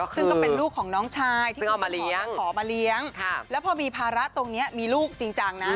ซึ่งก็เป็นลูกของน้องชายที่เขามาขอมาเลี้ยงแล้วพอมีภาระตรงนี้มีลูกจริงจังนะ